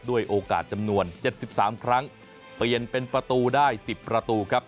ด้วยโอกาสจำนวน๗๓ครั้งเปลี่ยนเป็นประตูได้๑๐ประตูครับ